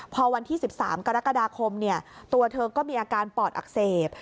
พอวันที่๑๓กรกฎาคมตัวเธอก็มีอาการปอดอักเสบ